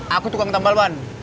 aku tukang tambal ban